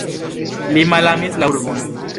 Li malamis la urbon.